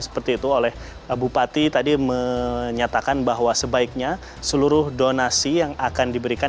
seperti itu oleh bupati tadi menyatakan bahwa sebaiknya seluruh donasi yang akan diberikan